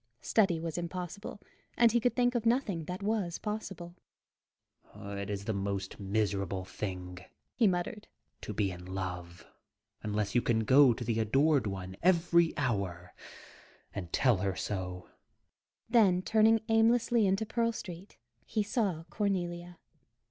Study was impossible; and he could think of nothing that was possible. "It is the most miserable thing," he muttered, "to be in love, unless you can go to the adored one, every hour, and tell her so," then turning aimlessly into Pearl Street, he saw Cornelia.